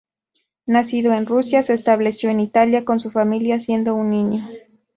Nacido en Rusia, se estableció en Italia con su familia siendo un niño.